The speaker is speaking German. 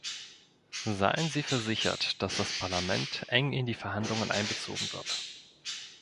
Seien Sie versichert, dass das Parlament eng in die Verhandlungen einbezogen wird.